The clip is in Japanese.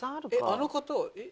あの方は？